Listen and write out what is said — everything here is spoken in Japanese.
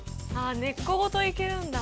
根っこごといけるんだ。